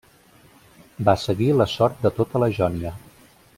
Va seguir la sort de tota la Jònia.